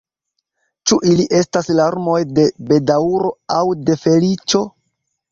Ĉu ili estas larmoj de bedaŭro, aŭ de feliĉo?